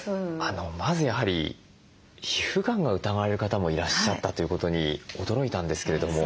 まずやはり皮膚がんが疑われる方もいらっしゃったということに驚いたんですけれども。